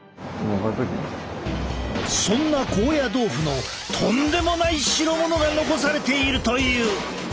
そんな高野豆腐のとんでもない代物が残されているという。